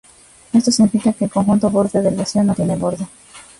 Esto significa que el conjunto borde del vacío no tiene borde.